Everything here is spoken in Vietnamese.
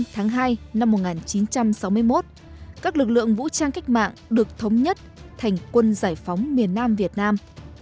tháng hai năm một nghìn chín trăm sáu mươi một các lực lượng vũ trang cách mạng được thống nhất thành quân giải phóng miền nam việt nam